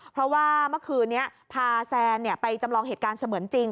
เพราะว่าเมื่อคืนนี้พาแซนไปจำลองเหตุการณ์เสมือนจริง